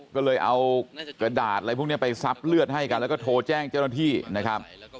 ก็เลยเอากระดาษอะไรพวกนี้ไปซับเลือดให้กันแล้วก็โทรแจ้งเจ้าหน้าที่นะครับ